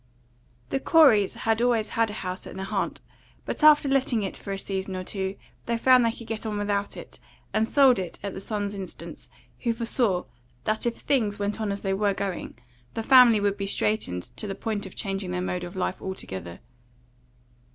THE Coreys had always had a house at Nahant, but after letting it for a season or two they found they could get on without it, and sold it at the son's instance, who foresaw that if things went on as they were going, the family would be straitened to the point of changing their mode of life altogether.